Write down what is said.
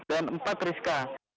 dan empat rizka